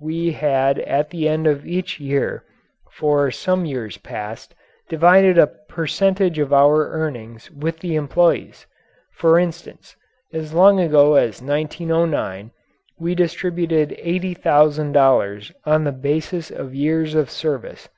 We had at the end of each year, for some years past, divided a percentage of our earnings with the employees. For instance, as long ago as 1909 we distributed eighty thousand dollars on the basis of years of service.